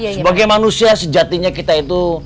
sebagai manusia sejatinya kita itu